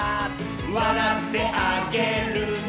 「わらってあげるね」